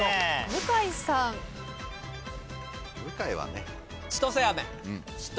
向井はね。